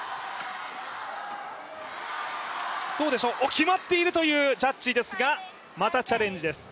決まっているというジャッジですがまたチャレンジです。